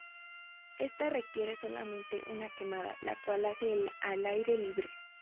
Esta requiere solamente una quemada, la cual hacen al aire libre.